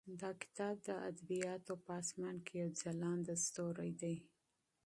دا کتاب د ادبیاتو په اسمان کې یو ځلانده ستوری دی.